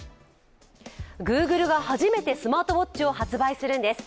グーグルが初めてスマートウォッチを発売するんです。